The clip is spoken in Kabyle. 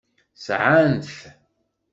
Sɛan-t.